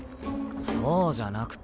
そうじゃなくて。